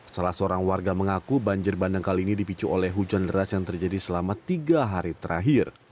salah seorang warga mengaku banjir bandang kali ini dipicu oleh hujan deras yang terjadi selama tiga hari terakhir